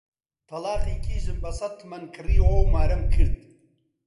تەڵاقی کیژم بە سەد تمەن کڕیەوە و مارەم کرد